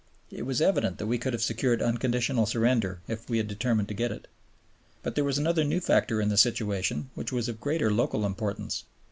It was evident that we could have secured unconditional surrender if we had determined to get it. But there was another new factor in the situation which was of greater local importance.